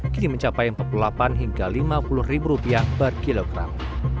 kini mencapai empat puluh delapan hingga lima puluh rupiah per kilogram